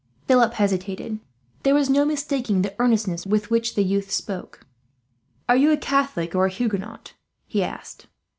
Philip hesitated. There was no mistaking the earnestness with which the youth spoke. "Are you a Catholic or a Huguenot?" he asked.